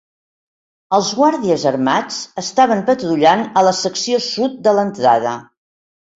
Els guàrdies armats estaven patrullant a la secció sud de l"entrada.